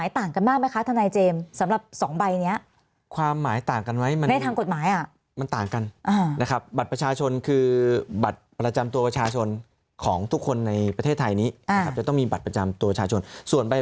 แต่จริงแล้วมันมีความหมายต่างกันมากไหมคะทนายเจมส์